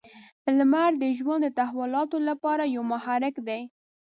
• لمر د ژوند د تحولاتو لپاره یو محرک دی.